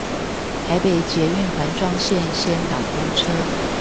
台北捷運環狀線先導公車